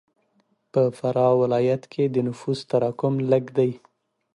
په فراه ولایت کښې د نفوس تراکم لږ دی.